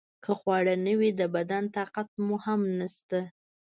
که خواړه نه وي د بدن طاقت مو هم نشته.